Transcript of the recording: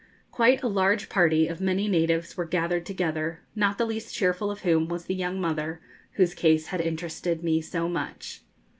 Quite a large party of many natives were gathered together, not the least cheerful of whom was the young mother whose case had interested me so much.